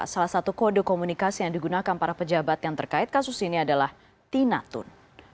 salah satu kode komunikasi yang digunakan para pejabat yang terkait kasus ini adalah tinatun